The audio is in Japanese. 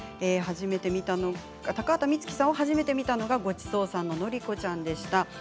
高畑充希さんを初めて見たのが「ごちそうさん」の希子ちゃんでした。